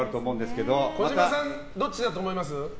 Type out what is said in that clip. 児嶋さんどっちだと思います？